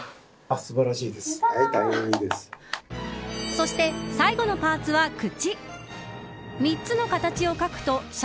そして、最後のパーツは口。